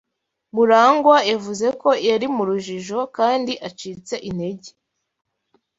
Murangwa yavuze ko yari mu rujijo kandi acitse intege.